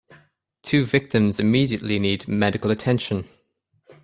Two victims immediately need medical attention.